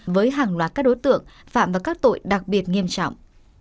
với hàng loạt các đối tượng phạm vào các tội đặc biệt nghiêm trọng